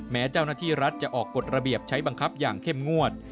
แม้เจ้าหน้าที่รัฐจะออกกฎระเบียบใช้บังคับอย่างเข้มงวด